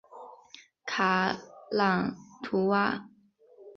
卡朗图瓦。